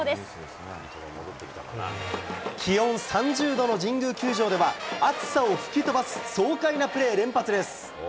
気温３０度の神宮球場では、暑さを吹き飛ばす爽快なプレー連発です。